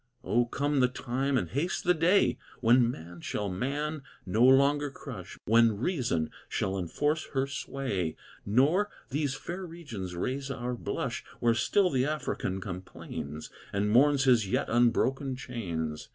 O come the time, and haste the day, When man shall man no longer crush, When Reason shall enforce her sway, Nor these fair regions raise our blush, Where still the African complains, And mourns his yet unbroken chains.